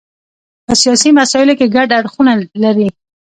په سیاسي مسایلو کې ګډ اړخونه لري.